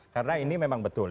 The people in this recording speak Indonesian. karena ini memang betul